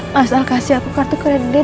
masalah kasih aku kartu keren